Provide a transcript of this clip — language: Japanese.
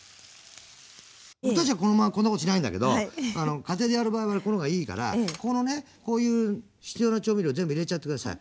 店では本当はこんなことしないんだけど、家庭でやる場合はこのほうがいいから、ここのね、こういう必要な調味料を全部入れちゃってください。